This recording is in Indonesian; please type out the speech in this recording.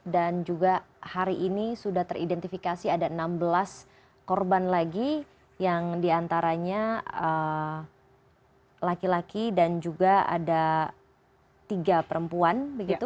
dan juga hari ini sudah teridentifikasi ada enam belas korban lagi yang diantaranya laki laki dan juga ada tiga perempuan